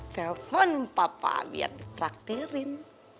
telepon papa biar ditraktirin